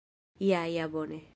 Ja ja bone